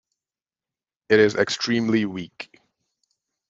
It is extremely weak.